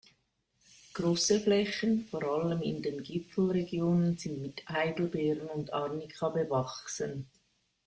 Große Flächen, vor allem in den Gipfelregionen, sind mit Heidelbeeren und Arnika bewachsen.